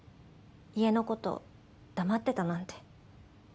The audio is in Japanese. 家の事黙ってたなんて。